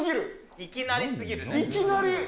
いきなり。